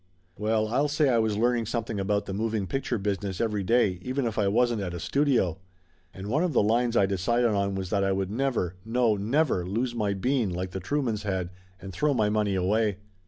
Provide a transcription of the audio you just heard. Well, I'll say I was learning something about the moving picture business every day, even if I wasn't at a studio ! And one of the lines I decided on was that I would never, no, never, lose my bean like the True mans had, and throw my money away.